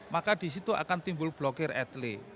maka di situ akan timbul blokir etlik